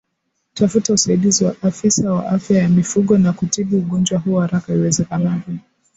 Tafuta usaidizi wa Afisa wa Afya ya Mifugo na kutibu ugonjwa huo haraka iwezekanavyo